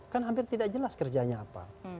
kan hampir tidak jelas kerjanya apa